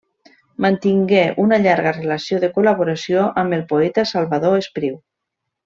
Mantingué una llarga relació de col·laboració amb el poeta Salvador Espriu.